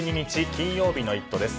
金曜日の「イット！」です。